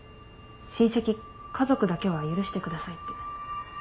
「親戚家族だけは許してください」って。